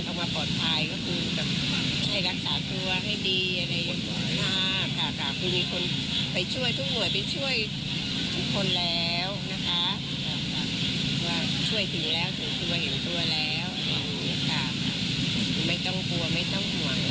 ถึงตัวเห็นตัวแล้วไม่ต้องกลัวไม่ต้องห่วงแล้ว